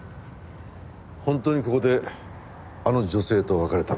本当にここであの女性と別れたのか？